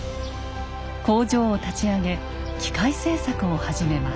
工場を立ち上げ機械製作を始めます。